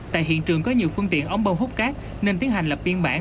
tại hiện trường có nhiều phương tiện ống bơm hút cát nên tiến hành lập biên bản